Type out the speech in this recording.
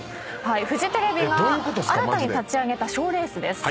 フジテレビが新たに立ち上げた賞レースです。